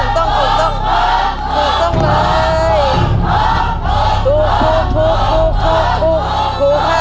ถูกไหม